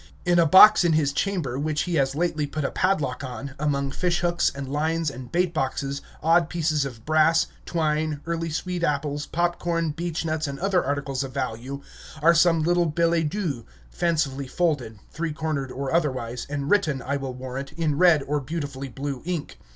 In a box in his chamber, which he has lately put a padlock on, among fishhooks and lines and baitboxes, odd pieces of brass, twine, early sweet apples, pop corn, beechnuts, and other articles of value, are some little billets doux, fancifully folded, three cornered or otherwise, and written, I will warrant, in red or beautifully blue ink.